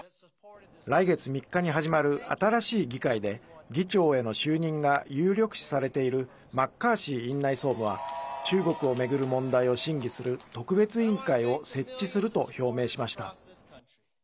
来月３日に始まる新しい議会で議長への就任が有力視されているマッカーシー院内総務は中国を巡る問題を審議する特別委員会を設置すると表明しました。